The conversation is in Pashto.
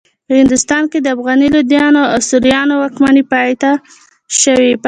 په هندوستان کې د افغاني لودیانو او سوریانو واکمنۍ پاتې شوې.